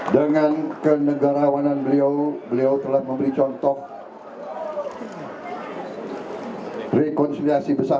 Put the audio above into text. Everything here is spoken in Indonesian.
dengan kenegarawanan beliau beliau telah memberi contoh rekonsiliasi besar